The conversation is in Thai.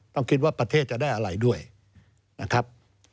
ต้องคิดว่าประเทศจะได้อะไรด้วยนะครับ